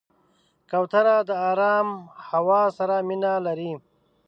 کوتره د آرام هوا سره مینه لري.